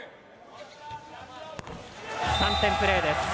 ３点プレーです。